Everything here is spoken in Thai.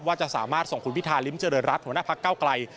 ว่าจะสามารถส่งคุณพิธาริมเจริญรัฐหัวหน้าพักเก้าไกล